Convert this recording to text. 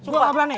gue ga berani